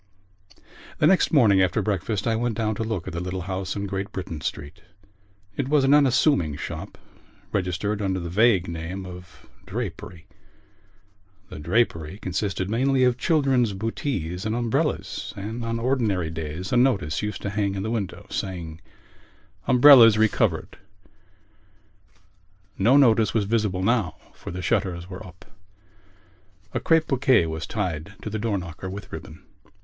The next morning after breakfast I went down to look at the little house in Great Britain Street. It was an unassuming shop, registered under the vague name of Drapery. The drapery consisted mainly of children's bootees and umbrellas; and on ordinary days a notice used to hang in the window, saying: Umbrellas Re covered. No notice was visible now for the shutters were up. A crape bouquet was tied to the door knocker with ribbon.